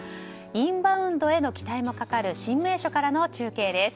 インバウンドへの期待もかかる新名所からの中継です。